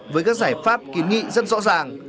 với các giải pháp kiến nghị rất rõ ràng